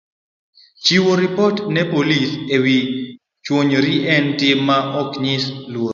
Chiwo ripot ne polis e wi chwori en tim ma ok nyis luor